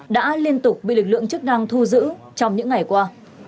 đã liên tục bị lực lượng chức năng thu giữ trong những ngày qua